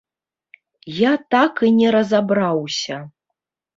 Я так і не разабраўся.